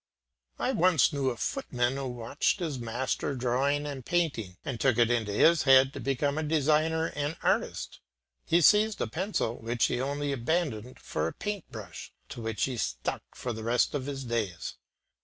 I once knew a footman who watched his master drawing and painting and took it into his head to become a designer and artist. He seized a pencil which he only abandoned for a paint brush, to which he stuck for the rest of his days.